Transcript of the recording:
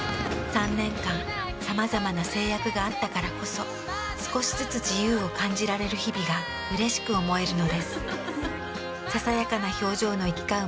３年間さまざまな制約があったからこそ少しずつ自由を感じられる日々がうれしく思えるのです。